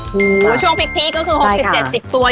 หรือช่วงพลิกที่ก็คือ๖๐๗๐ตัวอยู่เหมือนกัน